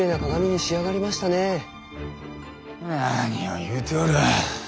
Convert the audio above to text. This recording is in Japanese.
何を言うておる。